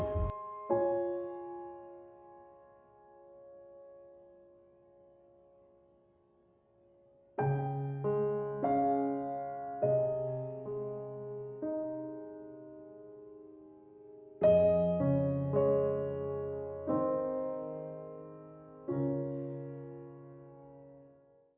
มีความรู้สึกเป็นเจ้าของทรัพยากรรมร่วมกัน